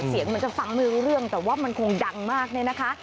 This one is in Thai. เสียงมันจะฟังไม่รู้เรื่องแต่ว่ามันคงดังมากเนี่ยนะคะ